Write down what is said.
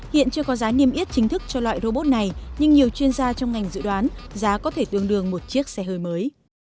hiện chưa có giá niêm yết chính thức cho loại robot này nhưng nhiều chuyên gia trong ngành dự đoán giá có thể tương đương một chiếc xe hơi mới